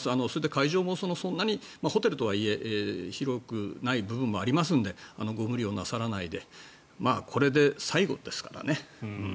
会場もそんなにホテルとはいえ広くない部分もありますのでご無理をなさらないでこれで最後ですからね。